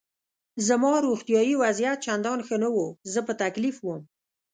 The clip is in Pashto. زما روغتیایي وضعیت چندان ښه نه و، زه په تکلیف وم.